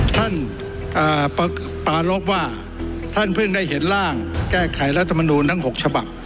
ท่านปารพว่าท่านเพิ่งได้เห็นร่างแก้ไขรัฐมนูลทั้ง๖ฉบับ